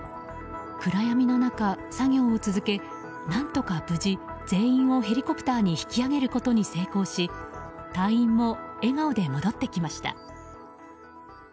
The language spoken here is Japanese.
暗闇の中、作業を続け何とか無事全員をヘリコプターに引き上げることに成功し隊員も笑顔で戻ってきました。